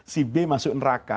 si b masuk neraka